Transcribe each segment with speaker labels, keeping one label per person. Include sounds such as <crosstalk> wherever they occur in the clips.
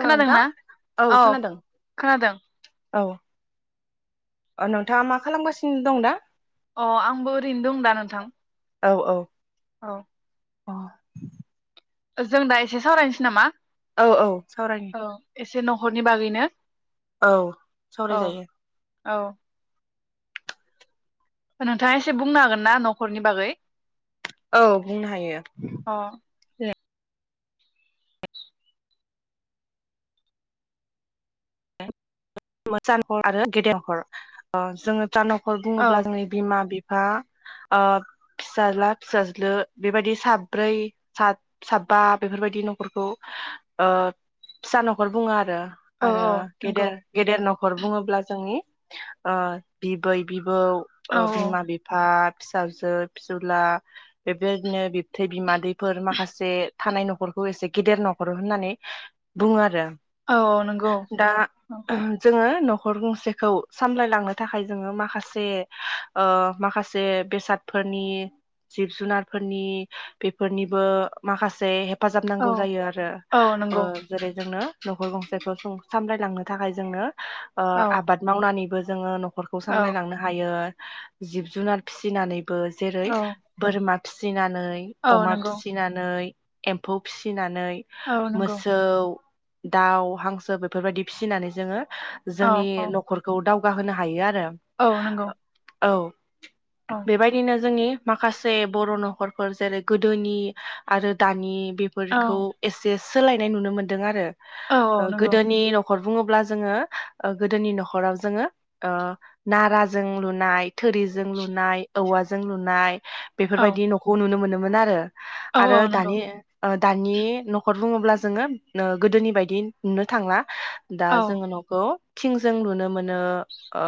Speaker 1: खोनादोंना औ खोनादों
Speaker 2: औ ओ नोंथांङा मा खालामगासिनो दं दा
Speaker 1: अ आंबो ओरैनो दं दा नोंथां
Speaker 2: औ औ
Speaker 1: औ
Speaker 2: अ
Speaker 1: जों दा एसे सावरायनोसै नामा
Speaker 2: औ औ सावरायनि
Speaker 1: औ एसे नखरनि बागैनो
Speaker 2: औ सावराय
Speaker 1: औ
Speaker 2: जायो।
Speaker 1: औ। नोंथाङा एसे बुंनो हागोन ना नखरनि बागै?
Speaker 2: औ बुंनो हायो।
Speaker 1: अ
Speaker 2: <inaudible> जोंङो <unintelligible> नखर
Speaker 1: औ
Speaker 2: बुङोब्ला जोंनि बिमा बि ओ फिसाज्ला फिसाज्लो बेबायदि साब्रै साबा बेफोरबायदि नखरखौ ओ फिसा नखर बुंङो आरो
Speaker 1: औ
Speaker 2: आरो
Speaker 1: औ नंगौ।
Speaker 2: गेदेर गेदेर नखर बुंङोब्ला जोंनि ओ बिबै औ
Speaker 1: औ
Speaker 2: ओ बिमा बिफा फिसाजो फिसौला बेबायदिनो बिबथै बिमादै फोर माखासे थानाय नखरखौ एसे गेदेर नखर होननानै बुंङो आरो।
Speaker 1: औ नंगौ औ।
Speaker 2: जोंङो नखर गंसेखौ सामलायलांनो थाखाय जोंङो माखासे ओ माखासे बेसादफोरनि जिब जुनारफोरनि बेफोरनिबो माखासे हेफाजाब नांगौ जायो आरो
Speaker 1: औ
Speaker 2: ओ
Speaker 1: नंगौ
Speaker 2: जेरै जोंनो नखर गंसेखौ सामलायलांनो थाखाय जोंनो ओ
Speaker 1: औ
Speaker 2: आबाद मावनानैबो <inaudible> नखरखौ
Speaker 1: औ
Speaker 2: सामलायलांनो हायो। जिब जुनार फिसिनानै बो जेरै
Speaker 1: औ
Speaker 2: बोरमा फिसिनानै
Speaker 1: औ
Speaker 2: अमा
Speaker 1: नंगौ
Speaker 2: फिसिनानै एम्फौ फिसिनानै
Speaker 1: औ नंगौ
Speaker 2: मोसौ दाउ हांसो बेफोरबायदि फिसिनानै जोङो
Speaker 1: औ
Speaker 2: जोंनि
Speaker 1: औ
Speaker 2: न'खरखौ दाव होनो हायो आरो
Speaker 1: औ नंगौ
Speaker 2: <inaudible> औ।
Speaker 1: औ
Speaker 2: बेबायदिनो जोंनि माखासे बर' न'खरफोर जेरै गोदोनि आरो दानि
Speaker 1: औ
Speaker 2: बेफोरखौ एसेस सोलायनाय नुनो मोनदों आरो
Speaker 1: औ नंगौ
Speaker 2: गोदोनि न न'खर बुङोब्ला जोङो गोदोनि न'खराव जोङो नाराजों लुनाय थोरिजों लुनाय औवाजों लुनाय
Speaker 1: औ
Speaker 2: बेफोरबायदि न'खौ नुनो मोनो मोन आरो
Speaker 1: औ
Speaker 2: आरो
Speaker 1: औ नंगौ
Speaker 2: दानि ओ दानि न'खर बुङोब्ला जोङो गोदोनि बायदि नुनो थांला दा
Speaker 1: औ
Speaker 2: जोङो न'खौ थिंजों नुनो मोनो ओ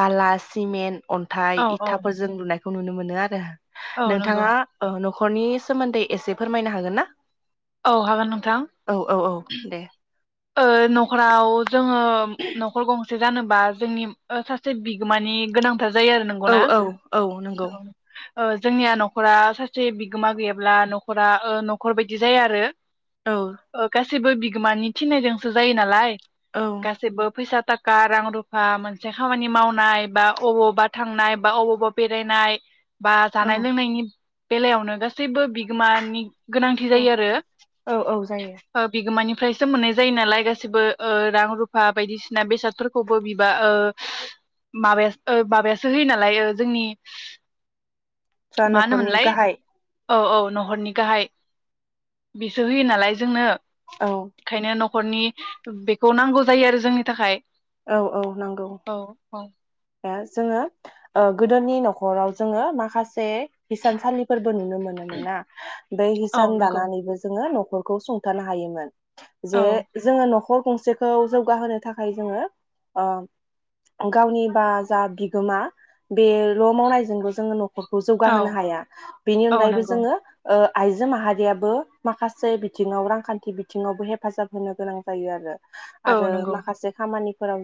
Speaker 2: बाला सिमेन्ट
Speaker 1: औ
Speaker 2: अन्थाइ इथाफोरजों लुनाय खौ नुनो मोनो आरो
Speaker 1: औ नंगौ
Speaker 2: नोंथाङा औ न न'खरनि सोमोन्दै एसे फोरमायनो हागोन ना
Speaker 1: औ हागोन नोंथां
Speaker 2: औ औ औ दे
Speaker 1: ओ न'खराव जोङो न'खर गं जानोबा जोंनि सासे बिगोमानि गोनां था जायो आरो
Speaker 2: औ
Speaker 1: नोंगौना
Speaker 2: औ औ नंगौ
Speaker 1: औ ओ जोंनिया न'खरा सासे बिगोमा गैयाब्ला न'खरा ओ न'खर बायदि जाया आरो।
Speaker 2: औ।
Speaker 1: सैबो बिगोमानि थिनायजोंसो जायो नालाय।
Speaker 2: औ
Speaker 1: गासैबो फैसा ताका रां रुफा मोनसे खामानि मावनाय बा अबावबा थांनाय बा अबावबा बेरायनाय। बा जानाय
Speaker 2: औ
Speaker 1: लोंनायनि बेलायावनो गासैबो बिगोमानि गोनांथि
Speaker 2: औ
Speaker 1: जायो आरो
Speaker 2: औ औ जायो
Speaker 1: ओ बिगोमानि सो मोननाय जायो नालाय गासिबो ओ रां रुफा बायदिसिना बेसादफोरखौबो बिबा ओ माबा माबासो होयो नालाय ओ जोंनि
Speaker 2: जा
Speaker 1: मा
Speaker 2: न'खरनि
Speaker 1: होनोमोनलाय
Speaker 2: गाहाय।
Speaker 1: औ औ न'खरनि गाहाय बेसो होयो नालाय जोंनो।
Speaker 2: औ।
Speaker 1: खरनि बेखौ नांगौ जायो आरो जोंनि थाखाय
Speaker 2: औ औ नांगौ
Speaker 1: औ औ
Speaker 2: आ जोङो ओ दोनि नख'राव जोङो माखासे हिसानसालिफोर नुनो मोनोमोन ना बे
Speaker 1: औ
Speaker 2: हिसान
Speaker 1: नंगौ
Speaker 2: दानानैबो जोङो न' नखौ सुंथानो हायोमोन।
Speaker 1: औ
Speaker 2: जे जोङो नखौ गंसेखौ जौगाहोनो थाखाय जोङो ओं गावनि बा जा बिगोमा बेल' मावनायजोंबो जोङो न' फोर खौ
Speaker 1: औ
Speaker 2: जौगाहोनो हाया बेनि
Speaker 1: औ
Speaker 2: अनगायैबो
Speaker 1: नंगौ
Speaker 2: जोङो ओ आइजो माहारियाबो माखासे बिथिङाव रांखान्थि बिथिङावबो हेफाजाब होनो गोनां जायो आरो।
Speaker 1: औ
Speaker 2: आरो
Speaker 1: नंगौ
Speaker 2: माखासे खामानि फोराव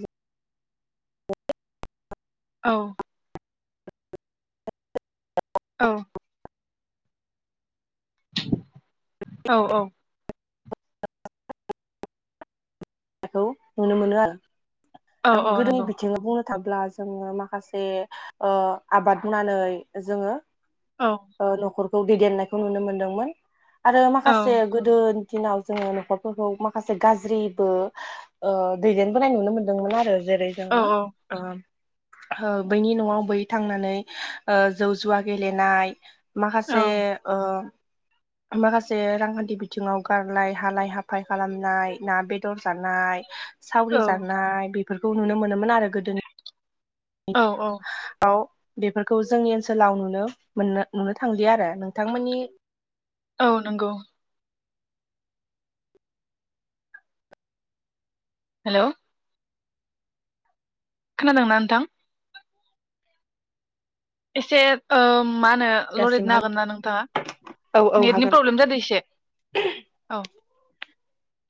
Speaker 1: औ। औ। औ औ।
Speaker 2: खौ नुनो मोनो आरो
Speaker 1: औ
Speaker 2: आं
Speaker 1: औ
Speaker 2: गोदोनि
Speaker 1: नंगौ
Speaker 2: बिथिङाव बुंनो थाब्ला जोङो माखासे ओ आबाद मावनानै जोङो
Speaker 1: औ
Speaker 2: ओ न'खर खौ दैदेननायखौ नुनो मोनदोंमोन। आरो
Speaker 1: औ
Speaker 2: माखासे गोदो दिनाव जोङो न'खरफोरखौ माखासे गाज्रि बो। ओ दैदेनबोनाय नुनो मोनदोंमोन आरो। जेरै
Speaker 1: औ
Speaker 2: जोङो ओं ओ बैनि न'आव बै थांनानै ओं जौ जुवा गेलेनाय
Speaker 1: औ
Speaker 2: माखासे ओ माखासे रांखान्थि बिथिङाव गारलाय हालाय हाफाय खालामनाय ना बेदर जानाय सावरि
Speaker 1: औ
Speaker 2: जानाय बि बेफोरखौ नुनो मोनोमोन आरो गोदोनि
Speaker 1: औ औ
Speaker 2: बेफोरखौ जोंनि ओनसोलाव नुनो मोननो नुनो थांलिया आरो नोंथांमोननि
Speaker 1: औ नंगौ हेल' खोनादोंना नोंथां? एसे ओम मा होनो लरिटनो
Speaker 2: दासिमहा
Speaker 1: हागोन ना नोंथाङा?
Speaker 2: औ औ
Speaker 1: नेटनि
Speaker 2: हागोन
Speaker 1: प्रब्लेम जादों एसे औ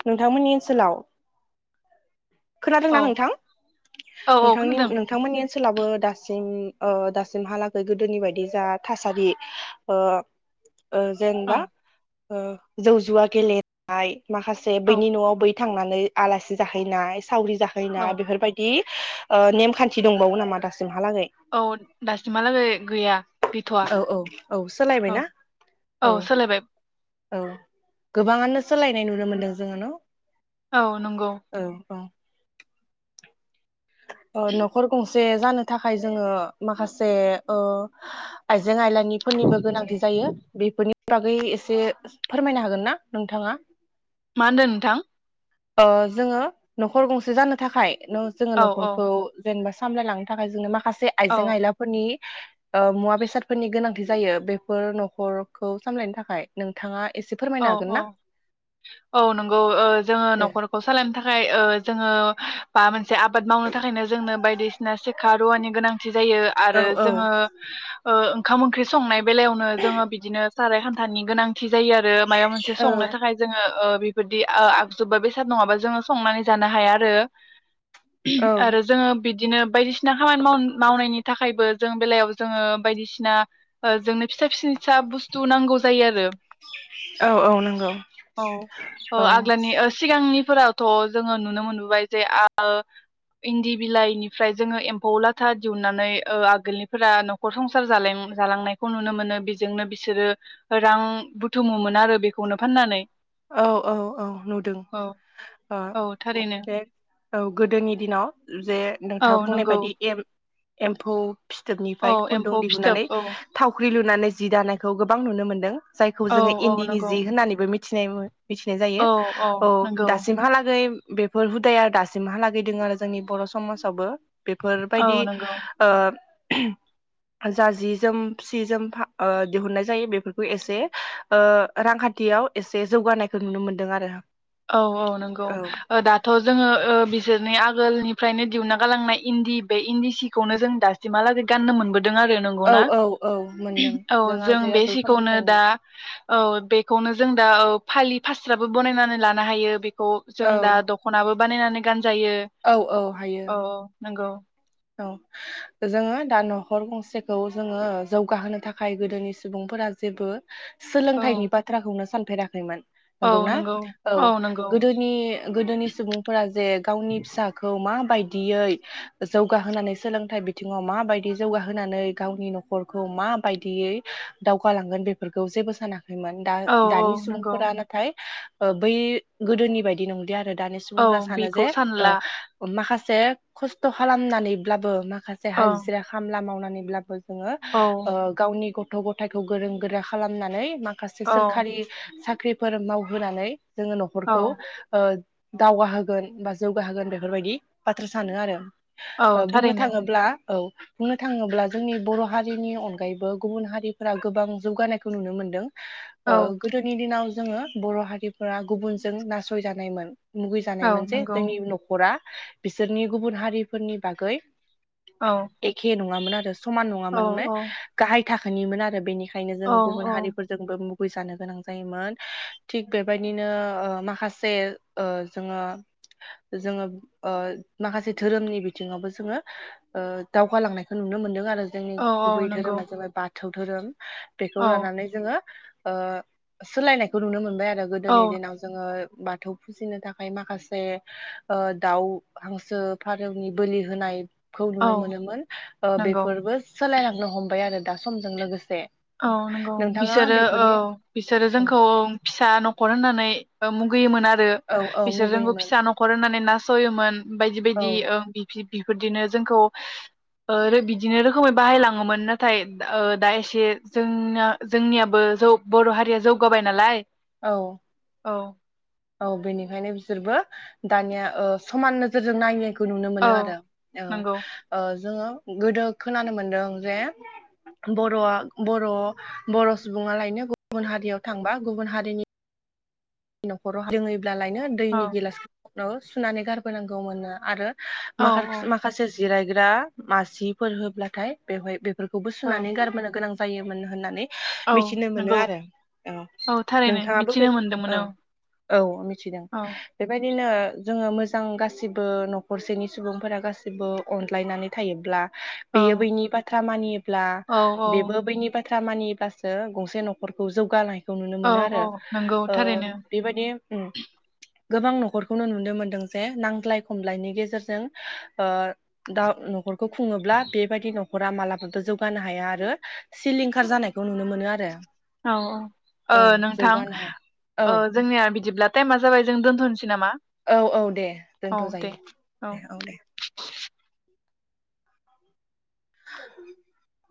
Speaker 2: नोंथां मोननि ओनसोलाव
Speaker 1: औ
Speaker 2: खोनादोंना नोंथां
Speaker 1: औ औ
Speaker 2: नोंथांनि
Speaker 1: खोनादों
Speaker 2: नोंथांमोननि ओनसोलाबो दासिम ओ दासिमहालागै गोदोनि बायदि जा थासारि ओ ओ
Speaker 1: औ
Speaker 2: जेनबा ओ जौ जुवा गेलेनाय माखासे जे
Speaker 1: औ
Speaker 2: बैनि न'आव बै थांनानै आलासि जाहैनाय सावरि
Speaker 1: औ
Speaker 2: थाहैनाय बेफोरबायदि ओ नेमखान्थि दंबावो नामा दास
Speaker 1: औ दासिमहालागै गैया गैथ'वा
Speaker 2: औ औ औ
Speaker 1: औ
Speaker 2: सोलायबायना औ औ गोबाङानो सोलायनाय नुनो मोनदों जोङो न'
Speaker 1: औ नंगौ
Speaker 2: औ औ ओ न'खर गंसे जानो थाखाय जोङो माखासे ओ आ इजें आइलानि फोरनिबो गोनांथि जायो बेफोरनि बागै एसे फोरमायनो हागोन ना नोंथाङा?
Speaker 1: मा होनदों नोंथां
Speaker 2: ओ जोङो न'खर गंसे जानो थाखाय नो जोङो
Speaker 1: औ
Speaker 2: न' खौ जेनेबा सामलायलांनो थाखाय जोङो माखासे से
Speaker 1: औ
Speaker 2: आइजें आइलाफोरनि ओ मुवा बेसादफोरनि गोनांथि जायो बेफोर न'खरखौ सामलायनो थाखाय नोंथाङा एसे
Speaker 1: औ
Speaker 2: फोरमायनो हागोन
Speaker 1: औ
Speaker 2: ना
Speaker 1: औ नंगौ जोङो
Speaker 2: दे
Speaker 1: न'खरखौ सालायनो थाखाय खाय ओ जोङो बा मोन से आबाद मावनो थाखायनो जोंनो बायदि सिना सेखा रुवानि गोनां थि जायो आरो
Speaker 2: औ औ
Speaker 1: जोङो ओ ओंखाम ओंख्रि संनाय बेलायावनो जोङो बिदिनो साराय हान्थानि गोनांथि जायो आरो मायबा मोनसे
Speaker 2: औ
Speaker 1: संनो थाखाय जोङो ओ बेबायदि ओ आगजोबा बेसाद नङाबा जोङो संनानै जानो हाया आरो
Speaker 2: औ
Speaker 1: आरो जोङो बिदिनो बायदिसिना खामानि माव मावनायनि थाखायबो जों बेलायाव जोङो बायदिसिना ओ जोंनो फिसा फिसि फिसा बुस्थु नांगौ जायो आरो
Speaker 2: औ औ नंगौ
Speaker 1: औ ओ
Speaker 2: औ
Speaker 1: आग्लानि ओ सिगांनि फोरावथ जोङो नुनो मोनबोबाय जे ओ इन्दि बिलाइनिफ्राय जोङो एम्फौ लाथा दिहोननानै ओ आगोलनिफ्रा नखर संसार जालांनायखौ नुनो मोनो बिजोंनो बिसोरो रां बोथोमो मोन। आरो बेखौनो फाननानै
Speaker 2: औ औ औ नुदों
Speaker 1: औ
Speaker 2: ओ
Speaker 1: औ थारैनो
Speaker 2: ऐक औ गोदोनि दिनाव जे
Speaker 1: औ
Speaker 2: नोंथाङा बुंनाय
Speaker 1: नंगौ
Speaker 2: बायदि एम एम्फौ
Speaker 1: औ
Speaker 2: फिथोबनिफ्राय खुन्दुं
Speaker 1: एम्फौ फिथोब
Speaker 2: दिहुननानै
Speaker 1: औ
Speaker 2: थाव <unintelligible> लुनानै जि दानायखौ गोबां नुनो मोनदों जायखौ
Speaker 1: औ
Speaker 2: जोङो
Speaker 1: औ
Speaker 2: इन्दिनि
Speaker 1: नंगौ
Speaker 2: जि होननानैबो मिथि <unintelligible> मिथिनाय जायो
Speaker 1: औ
Speaker 2: औ
Speaker 1: नंगौ
Speaker 2: दासिमहालागै बेफोर हुदाया दासिमहालागै दोङो आरो जोंनि बर' समाजावबो
Speaker 1: औ
Speaker 2: बेफोरबायदि
Speaker 1: नंगौ
Speaker 2: ओ उम जा जि जोम सि जोम ओ दिहुननाय जायो बेफोरखौ एसे ओ रांखान्थियाव एसे जौगानायखौ नुनो मोन्दों आरो
Speaker 1: औ औ नंगौ
Speaker 2: औ
Speaker 1: दाथ' जोङो बिसोरनि आगोलनि फ्रायनो दिउना गालांनाय इन्दि बे इन्दि सिखौनो जों दासिमहालागै गाननो मोनबोद दों आरो
Speaker 2: औ
Speaker 1: नंगौना
Speaker 2: औ औ मोनदों
Speaker 1: औ जों
Speaker 2: आजै
Speaker 1: बे
Speaker 2: आजौ
Speaker 1: सिखौनो
Speaker 2: समनिफ्रायनो
Speaker 1: दा औ बेखौनो जों दा औ फालि फास्राबो बानायनानै लान <unintelligible> हायो बे अ जों
Speaker 2: औ
Speaker 1: दा दख'नाबो बानाय नानै गान जायो
Speaker 2: औ औ हायो
Speaker 1: औ नंगौ
Speaker 2: औ जोङो दा न'खर गंसेखौ जोङो जौगाहोनो थाखाय गोदोनि सुबुंफोरा जेबो
Speaker 1: औ
Speaker 2: सोलोंथाइनि बाथ्राखौनो सान। फेराखैमोन <unintelligible> नंगौ ना औ गोदोनि गोदोनि सुबुंफोरा जे गावनि फिसाखौ मा बायदियै जौगाहोनानै सोलोंथाइ बिथिङाव माबायदि जौगाहोनानै गावनि न'खरखौ माबायदियै दावगालांगोन बेफोरखौ जेबो सानाखै। द
Speaker 1: औ औ
Speaker 2: दानि
Speaker 1: नंगौ
Speaker 2: सुबुंफोरा नाथाय बै गोदोनि बायदि नंलि आरो। दानि
Speaker 1: औ
Speaker 2: सुबुंफोरा सानो
Speaker 1: बेखौ
Speaker 2: जे
Speaker 1: सानला
Speaker 2: माखासे जे खस्थ'। खालामनानैब्लाबो मा माखासे
Speaker 1: औ
Speaker 2: हाजिरा खामला मावना नै ब्लाबो। जोंङो
Speaker 1: औ
Speaker 2: ओ गावनि गथ। गथ' गथायखौ गोरों गोरा खालामनानै मा। माखासे
Speaker 1: औ
Speaker 2: सोरखारि सा ख्रिफोर मावहोनानै जोङो
Speaker 1: औ
Speaker 2: न'खरखौ ओ। दावगाहोगोन बा जौगाहोगोन बेफोरबायदि बाथ्रा सानो आरो।
Speaker 1: औ
Speaker 2: ओ बुंनो
Speaker 1: थारैनो
Speaker 2: थाङोब्ला। औ बुंनो थाङोब्ला जोंनि बर' हारिनि अनगायैबो गुबुन हारिफोरा गोबां जौगानायखौ नुनो मोनदों। ओ
Speaker 1: औ
Speaker 2: गोदोनि दिनाव। जोङो बर' हारिफोरा गुबुनजों नासयजानायमोन
Speaker 1: औ
Speaker 2: मुगैजानायमोन जे
Speaker 1: नंगौ
Speaker 2: जोंनि न'खरा बिसोरनि गुबुन हारि फोरनि बागै।
Speaker 1: औ
Speaker 2: एखे नङामोन आरो समान
Speaker 1: औ
Speaker 2: नङामोन मा गाहाय। थाखोनिमोन आरो बेनिखाय। खायनो
Speaker 1: औ
Speaker 2: जोङो गुबुन
Speaker 1: औ
Speaker 2: हारिफोरजोंबो मु। गुय गोनां जायोमोन थिग बेबायदिनो ओ माखासे ओ जोङो जोङो ओ माखासे धोरोमनि। बिथिङावबो जोङो ओ दावगालांनायखौ नुनो मोनदों आरो। जोंनि
Speaker 1: औ
Speaker 2: गुबै
Speaker 1: औ नंगौ
Speaker 2: धोरोमा जाबाय बाथौ। बाथौ धोरोम बेखौ
Speaker 1: औ
Speaker 2: लानानै जोङो ओ सोलायनायखौ नुनो मोनबाय आरो आरो
Speaker 1: औ
Speaker 2: गोदोनि दिनाव जोङो बाथौ फुजिनो थाखाय माखासे ओ दाउ हांसो फा रौनि बोलि होनाय खौ
Speaker 1: औ
Speaker 2: नुनो मोनोमोन ओ
Speaker 1: नंगौ
Speaker 2: बेफोरबो सोलायलांनो हमबाय आरो दा समजों लोगोसे
Speaker 1: औ नंगौ
Speaker 2: नोंथाङा
Speaker 1: बिसोरो औ
Speaker 2: बेफोरनि
Speaker 1: बिसोरो जोंखौ फिसा न'खर होनना नै बा मुगैमोन आ रो
Speaker 2: औ औ
Speaker 1: बिसोरजोंबो
Speaker 2: मुगैयोमोन
Speaker 1: फिसा न'खर होननानै ना सयोन बायदि
Speaker 2: औ
Speaker 1: बायदि ओं बिदि बेफोरदिनो जोंखौ ओ बिदिनो रोखोमै बाहाय लाङोमोन ना थाय दा एसे जोंना जोंनियाबो जौ बर' हारिया जौगाबाय नालाय
Speaker 2: औ
Speaker 1: औ
Speaker 2: औ बेनिखायनो बिसोरबो दानिया ओ, समान नोजोरजों नाय खौ नुनो
Speaker 1: औ
Speaker 2: मोनो आरो औ
Speaker 1: नंगौ
Speaker 2: ओ जोङो गोदो खोनानो मोनदों जे बर'आ बर' बर' सुबुङालायनो गुबुन हारियाव थांबा गुबुन हा रिनि न'खराव <inaudible> ब्ला लायनो
Speaker 1: औ
Speaker 2: दैनि गिलास खौ सुनानै गारबोनांगौ मोननो आरो
Speaker 1: औ
Speaker 2: मा
Speaker 1: औ
Speaker 2: माखासे जिरायग्रा मासिफोर होब्लाथाय बेवहाय बे <inaudible> फोरखौबो
Speaker 1: औ
Speaker 2: सुनानै गारबोनो गोनां जायोमोन होननानै
Speaker 1: औ
Speaker 2: मिथिनो मोनो
Speaker 1: नंगौ
Speaker 2: आरो
Speaker 1: औ थारैनो
Speaker 2: नोंथाङाबो बे
Speaker 1: मिथिनो मोनदों।
Speaker 2: औ औ मिथिदों बेबाय दिनो जोङो मोजां गासिबो न'खरसेनि सुबुंफोरा गासैबो अनज्लायनानै थायोब्ला
Speaker 1: औ
Speaker 2: बेयो बैनि बाथ्रा खामानि ब्ला,
Speaker 1: औ
Speaker 2: बेबो बैनि बा बाथ्रा मानिब्लासो गंसे न'खरखौ जौगानाय खौ नुनो
Speaker 1: औ
Speaker 2: मोनो
Speaker 1: औ
Speaker 2: आरो
Speaker 1: नंगौ
Speaker 2: ओ
Speaker 1: थारैनो
Speaker 2: बेबायदि अम गोबां न'खरखौनो नुनो मोनदों जे नांज्लाय खमज्लयनि गेजेरजों ओ दा न'खरखौ खुङोब्ला बेबायदि न'खरा मालाबाबो जौगानो हाया आरो सिलिंखार जानायखौ नुनो मोनो आरो
Speaker 1: औ औ
Speaker 2: औ
Speaker 1: ओ नोंथां
Speaker 2: जौगानो हाया औ
Speaker 1: ओ जोंनिया बिदिब्ला टाइमआ जाबाय जों दोनथ'सै
Speaker 2: औ औ दे दोनथ
Speaker 1: दे
Speaker 2: जायो दे औ दे <inaudible>